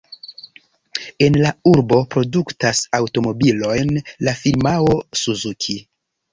En la urbo produktas aŭtomobilojn la firmao Suzuki.